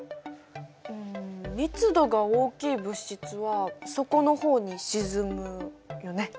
密度が大きい物質は底のほうに沈むよね。